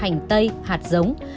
hành tây hạt giống